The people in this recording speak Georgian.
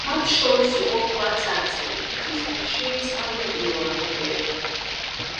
მათ შორის იყო ქვა წარწერით „ქრისტე შეიწყალე იოანე ბერი“.